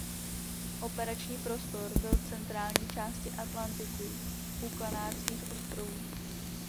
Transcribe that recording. Operační prostor byl v centrální části Atlantiku u Kanárských ostrovů.